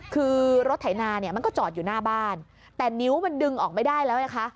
คือรถไถนาเนี่ยมันก็จอดอยู่หน้าบ้านแต่นิ้วมันดึงออกไม่ได้แล้วนะคะ